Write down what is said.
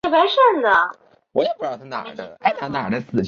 附盖猪笼草是婆罗洲沙捞越中部的霍斯山脉特有的热带食虫植物。